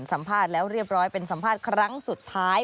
สัมภาษณ์แล้วเรียบร้อยเป็นสัมภาษณ์ครั้งสุดท้าย